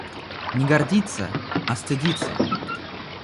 Не гордиться, а стыдиться.